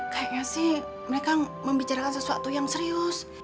kayaknya sih mereka membicarakan sesuatu yang serius